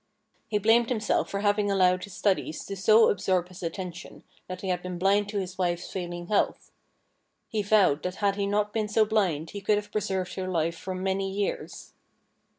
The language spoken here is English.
He blamed himself for having allowed his studies to so absorb his attention that he had been blind to his wife's failing health. He vowed that had he not been so blind he could have preserved her life for many years.